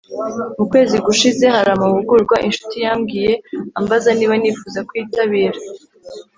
“mu kwezi gushize hari amahugurwa inshuti yambwiye ambaza niba nifuza kuyitabira.